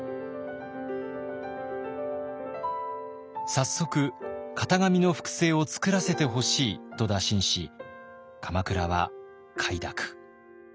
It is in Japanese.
早速型紙の複製を作らせてほしいと打診し鎌倉は快諾。